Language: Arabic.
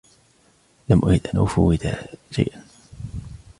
لم أرد أن أفوّت شيئا.